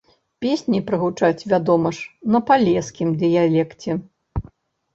Песні прагучаць, вядома ж, на палескім дыялекце.